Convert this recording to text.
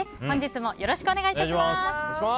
本日もよろしくお願い致します。